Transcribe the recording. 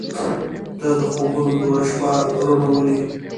• ته د خوبونو توره شپه روڼولې.